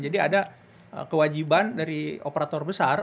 jadi ada kewajiban dari operator besar